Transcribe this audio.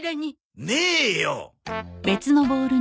ねえよ！